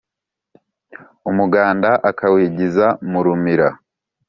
Umuganda akawigiza mu rumira